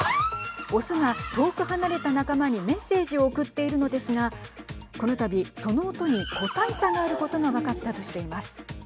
雄が遠く離れた仲間にメッセージを送っているのですがこのたび、その音に個体差があることが分かったとしています。